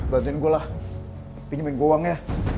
bantuin gue lah pinjemin uangnya